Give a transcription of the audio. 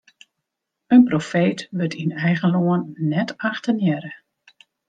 In profeet wurdt yn eigen lân net achtenearre.